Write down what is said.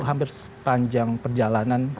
hampir sepanjang perjalanan